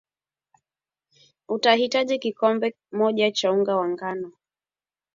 utahitaji Kikombe moja chaUnga wa ngano